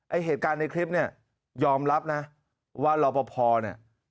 เหตุการณ์ในคลิปเนี่ยยอมรับนะว่ารอปภเนี่ย